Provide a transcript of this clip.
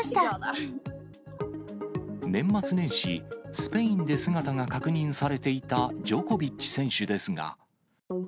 年末年始、スペインで姿が確認されていたジョコビッチ選手ですが。